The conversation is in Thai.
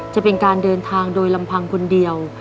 จะเป็นการเดินทางโดยลำพังคนเดียว